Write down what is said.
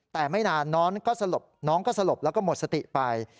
แต่ไม่นานน้องก็สลบน้องก็สลบแล้วก็หมดสติไป